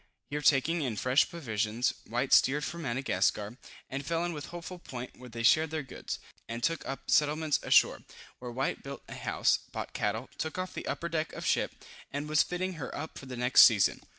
Here taking in fresh provisions, White steered for Madagascar, and fell in with Hopeful Point where they shared their goods, and took up settlements ashore, where White built a house, bought cattle, took off the upper deck of ship, and was fitting her up for the next season.